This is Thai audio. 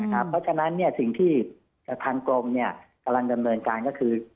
เพราะฉะนั้นสิ่งที่ทางกรมกำลังดำเนินการก็คือ